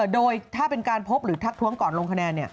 โดยถ้าเป็นการพบหรือทักท้วงก่อนลงคะแนน